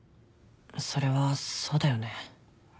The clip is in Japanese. それはそうだよね。